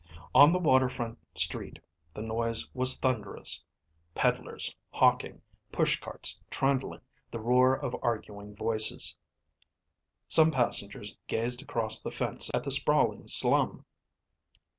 On the waterfront street, the noise was thunderous. Peddlers hawking, pushcarts trundling, the roar of arguing voices. Some passengers gazed across the fence at the sprawling slum.